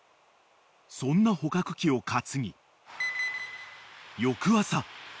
［そんな捕獲器を担ぎ翌朝］